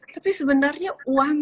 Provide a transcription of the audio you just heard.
tapi sebenarnya uang itu